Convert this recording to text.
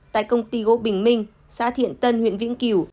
tại công ty gỗ bình minh xã thiện tân huyện vĩnh cửu